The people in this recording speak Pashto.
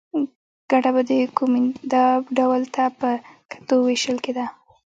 ګټه به د کومېندا ډول ته په کتو وېشل کېده